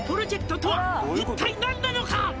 「一体何なのか？」